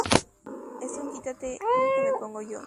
Esto es un quítate tu que me pongo yo